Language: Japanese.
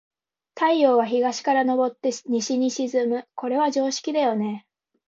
太陽は、東から昇って西に沈む。これは常識だよね。